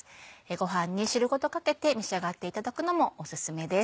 ご飯に汁ごとかけて召し上がっていただくのもオススメです。